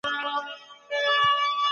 سوسياليستي نظام شخصي انګېزه وژني.